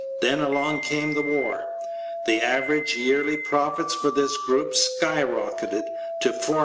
Then along came the war. The average yearly profits for this group skyrocketed to $408,300,000.